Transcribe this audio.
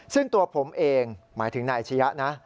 ซึ่งตัวผมเองหมายถึงนายอาชียะนะ